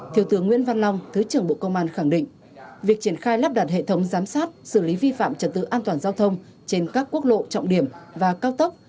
thiếu tướng nguyễn văn long thứ trưởng bộ công an khẳng định việc triển khai lắp đặt hệ thống giám sát xử lý vi phạm trật tự an toàn giao thông trên các quốc lộ trọng điểm và cao tốc